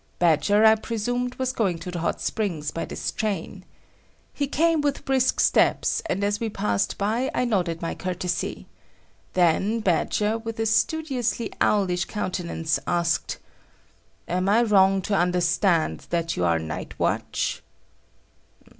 Badger, I presumed, was going to the hot springs by this train. He came with brisk steps, and as we passed by, I nodded my courtesy. Then Badger, with a studiously owlish countenance, asked: "Am I wrong to understand that you are night watch?"